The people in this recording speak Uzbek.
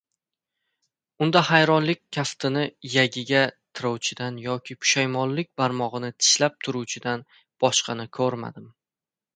Unda hayronlik kaftini iyagiga tirovchidan yoki pushaymonlik barmog‘ini tishlab turuvchidan boshqani ko‘rmadim.